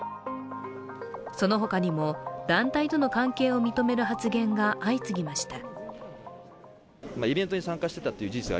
その他にも、団体との関係を認める発言が相次ぎました。